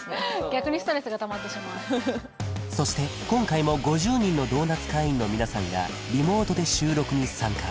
逆にストレスがたまってしまうそして今回も５０人のドーナツ会員の皆さんがリモートで収録に参加